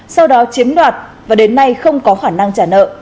sau đó chiếm đoạt và đến nay không có khả năng trả nợ